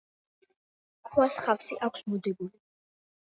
ქვას ხავსი აქვს მოდებული.